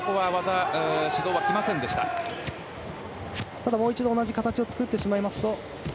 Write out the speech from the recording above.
ただ、もう一度同じ形を作ってしまうと。